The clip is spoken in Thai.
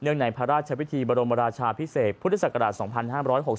เหนื่อยในพระราชภิทธิบรมราชชาวี้ผู้ทศกราช๒๕๖๒